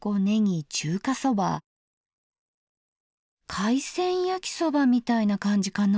海鮮焼きそばみたいな感じかな？